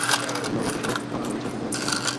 আমারও সব বিষয় ভাল হয়েছে, তবে আমি কিছুটা ভয় আছি।